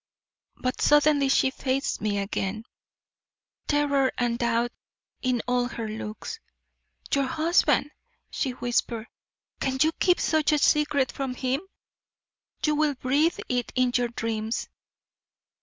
But suddenly she faced me again, terror and doubt in all her looks. "Your husband!" she whispered. "Can you keep such a secret from him? You will breathe it in your dreams."